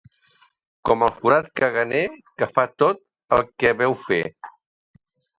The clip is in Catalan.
Com el forat caganer, que fa tot el que veu fer.